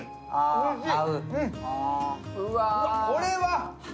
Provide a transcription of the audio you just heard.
おいしい。